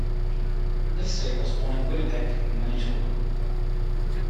Livesay was born in Winnipeg, Manitoba.